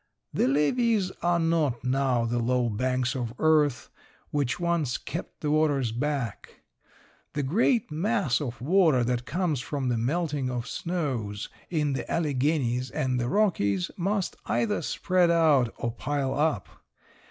The levees are not now the low banks of earth which once kept the waters back. The great mass of water that comes from the melting of snows in the Alleghenies and the Rockies must either spread out or pile up.